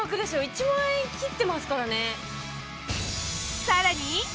１万円切ってますからね。